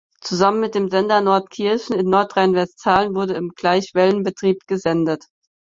Zusammen mit dem Sender Nordkirchen in Nordrhein-Westfalen wurde im Gleichwellenbetrieb gesendet.